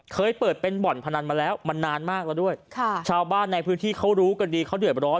เคยเปิดเป็นบ่อนพนันมาแล้วมันนานมากแล้วด้วยค่ะชาวบ้านในพื้นที่เขารู้กันดีเขาเดือดร้อน